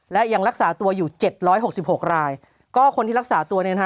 และยังรักษาตัวอยู่๗๖๖รายก็คนที่รักษาตัวเนี่ยนะฮะ